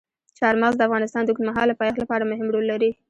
چار مغز د افغانستان د اوږدمهاله پایښت لپاره مهم رول لري.